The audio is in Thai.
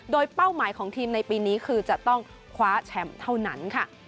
โดยเป้าหมายของทีมในปีนี้คือจะต้องคว้าแชมป์เท่านั้นค่ะ